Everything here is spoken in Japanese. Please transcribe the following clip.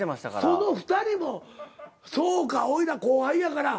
その２人もそうか俺ら後輩やから。